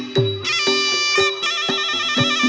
โชว์ที่สุดท้าย